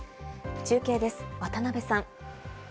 中継です、渡邊さん。